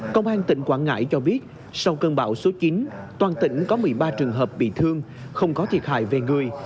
công an tỉnh quảng ngãi cho biết sau cơn bão số chín toàn tỉnh có một mươi ba trường hợp bị thương không có thiệt hại về người